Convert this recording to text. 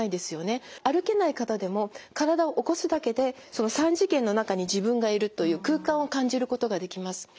歩けない方でも体を起こすだけでその３次元の中に自分がいるという空間を感じることができます。